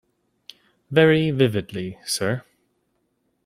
Very vividly, sir.